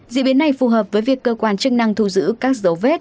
diễn biến này phù hợp với việc cơ quan chức năng thu giữ các dấu vết